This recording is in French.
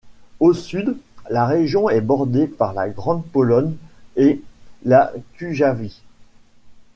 Au sud, la région est bordée par la Grande-Pologne et la Cujavie.